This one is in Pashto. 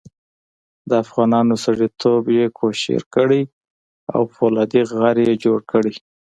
د افغانانو سړیتوب یې کوشیر کړی او فولادي غر یې جوړ کړی.